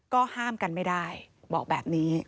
ก็ห้ามกันไม่ได้บอกแบบนี้